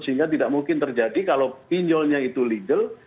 sehingga tidak mungkin terjadi kalau pinjolnya itu legal